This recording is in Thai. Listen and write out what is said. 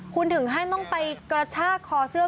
คุณถึงขั้นต้องไปกระชากคอเสื้อ